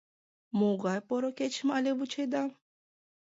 Могай поро кечым але вучеда?